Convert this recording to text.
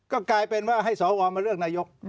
ก็กลายเป็นว่าให้สวมาเลือกนายก